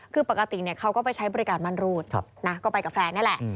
คือปกติเขาก็ไปใช้บริการมั่นรูดนะก็ไปกับแฟนนี่แหละ